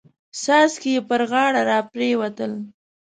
څاڅکي يې پر غاړه را پريوتل.